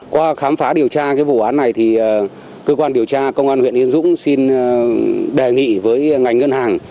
qua khám phá điều tra cái vụ án này thì cơ quan điều tra công an huyện yên dũng xin đề nghị với ngành ngân hàng